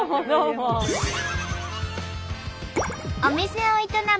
お店を営む